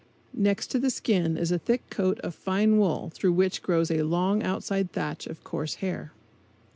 Next to the skin is a thick coat of fine wool through which grows a long outside thatch of coarse hair.